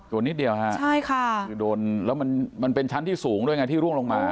นิดเดียวฮะใช่ค่ะคือโดนแล้วมันเป็นชั้นที่สูงด้วยไงที่ร่วงลงมา